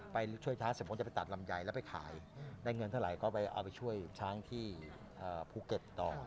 ไปช่วยช้างเสร็จผมจะไปตัดลำไยแล้วไปขายได้เงินเท่าไหร่ก็ไปเอาไปช่วยช้างที่ภูเก็ตต่อ